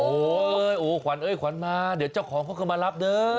โอเฮ้โหขวันโอขวันมาเดี๋ยวเจ้าของเขาคือมารับเด้อ